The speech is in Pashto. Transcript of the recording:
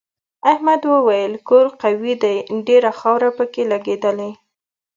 احمد وویل کور قوي دی ډېره خاوره پکې لگېدلې.